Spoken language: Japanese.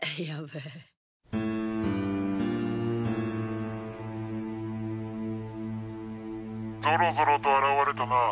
ぞろぞろと現れたな。